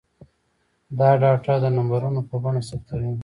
دا ډاټا د نمبرونو په بڼه ثبتوي.